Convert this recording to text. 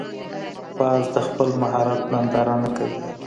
باز د خپل مهارت ننداره نه کوي